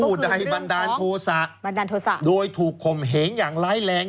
พูดใดบันดาลโทษะด้วยถูกคมเหงอย่างไหล้แรง